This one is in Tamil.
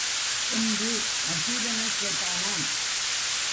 என்று நக்கீரனைக் கேட்டானாம்.